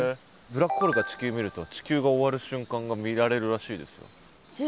ブラックホールから地球見ると地球が終わる瞬間が見られるらしいですよ。